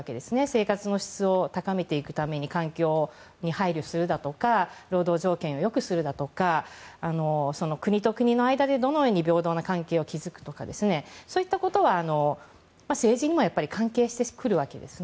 生活の質を高めていくために環境に配慮するとか労働条件を良くするだとか国と国の間でどのような平等な関係を築くとかですとかそういったことは政治にも関係してくるわけです。